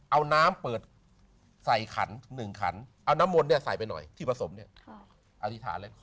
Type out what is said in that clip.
เอาน้ำเปิดใส่ขัน๑ขันเอาน้ำมนต์เนี่ยใส่ไปหน่อยที่ผสมเนี่ยอธิษฐานเลย